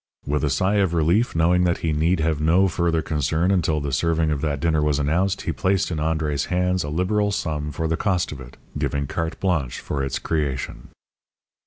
With a sigh of relief, knowing that he need have no further concern until the serving of that dinner was announced, he placed in André's hands a liberal sum for the cost of it, giving carte blanche for its creation.